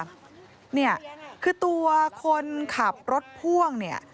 เนี่ยคือตัวคนขับรถพ่วงเนี่ย